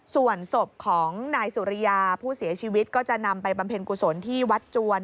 ส่วนศพของนายสุริยาผู้เสียชีวิตก็จะนำไปบำเพ็ญกุศลที่วัดจวน